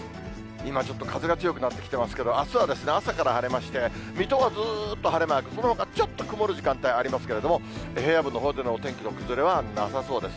今、ちょっと風が強くなってきていますけれども、あすは朝から晴れまして、水戸はずーっと晴れマーク、そのほかちょっと曇る時間帯ありますけれども、平野部のほうでのお天気の崩れはなさそうです。